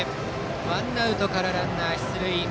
ワンアウトからランナー出塁。